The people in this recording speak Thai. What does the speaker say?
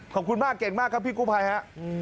ขอบคุณมากเก่งมากครับพี่กู้ภัยฮะ